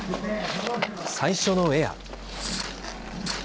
最初のエア。